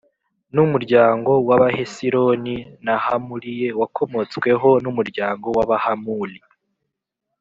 n umuryango w Abahesironi na Hamulie wakomotsweho n umuryango w Abahamuli